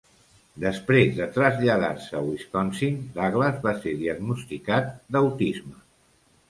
Després de traslladar-se a Wisconsin, Douglas va ser diagnosticat d'autisme.